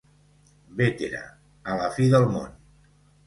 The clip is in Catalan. Bétera, la fi del món.